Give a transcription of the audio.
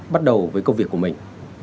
bắt đầu với công việc của mình